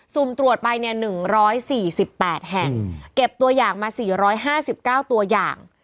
สุ่มตรวจไป๑๔๘แห่งเก็บตัวอย่างมา๔๕๙ตัวอย่าง